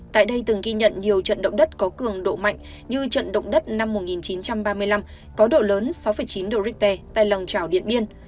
tại đây từng ghi nhận nhiều trận động đất có cường độ mạnh như trận động đất năm một nghìn chín trăm ba mươi năm có độ lớn sáu chín độ richter tại lòng trào điện biên